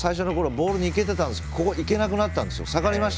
ボールにいけてたんですけどここ、いけなくなったんですよ。